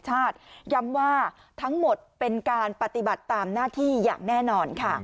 ย้ำว่าทั้งหมดเป็นการปฏิบัติตามหน้าที่อย่างแน่นอนค่ะ